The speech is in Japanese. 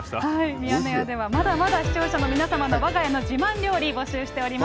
ミヤネ屋ではまだまだ視聴者の皆様のわが家の自慢料理、募集しております。